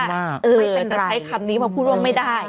จะใช้คำนี้มาพูดว่าไม่ได้